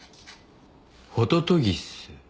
ホトトギス？